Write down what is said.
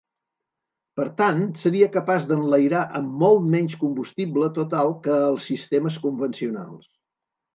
Per tant, seria capaç d'enlairar amb molt menys combustible total que els sistemes convencionals.